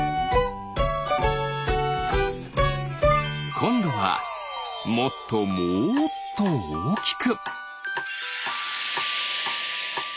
こんどはもっともっとおおきく。